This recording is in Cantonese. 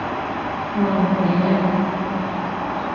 喂！你啊！